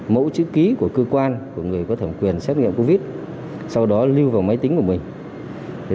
mẫu chữ ký của cơ quan của người có thẩm quyền xét nghiệm covid sau đó lưu vào máy tính của mình